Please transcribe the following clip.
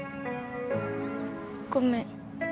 ごめん。